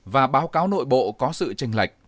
và báo cáo nội bộ có sự tranh lệch